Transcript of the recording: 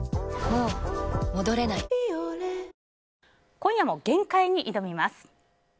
今夜も限界に挑みます。